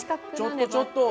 ちょっとちょっと。